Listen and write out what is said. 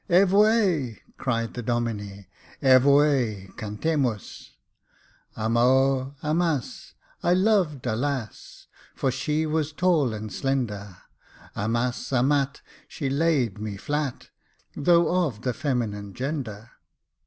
£voe !" cried the Domine ;*' evoe ! cantemus* " Amo, amas — I loved a lass, For she was tall and slender ; Amat, amat — she laid me flat, Though of the feminine gender.